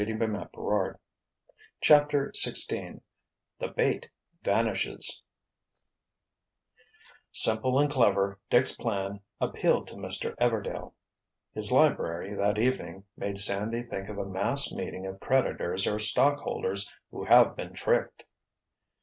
Sandy nodded quietly. CHAPTER XVI THE "BAIT" VANISHES Simple and clever, Dick's plan appealed to Mr. Everdail. His library, that evening, made Sandy think of a "mass meeting of creditors or stockholders who have been tricked."